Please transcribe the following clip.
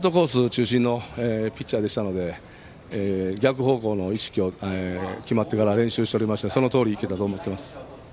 中心のピッチャーでしたので逆方向への意識を、決まってから練習しておりましてそのとおりいけたと思っています。